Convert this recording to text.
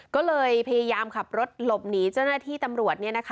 ก็เลยพยายามขับรถหลบหนีเจ้าหน้าที่ตำรวจ